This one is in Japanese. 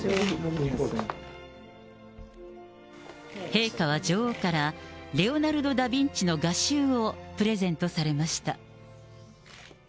陛下は女王から、レオナルド・ダ・ビンチの画集をプレゼントされました。